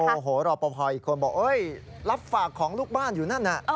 โอ้โหรอปภอีกคนบอกรับฝากของลูกบ้านอยู่นั่นน่ะ